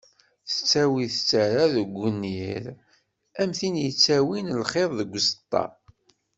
Tettawi tettara deg ugnir am tin yettawin lxiḍ deg uẓeṭṭa.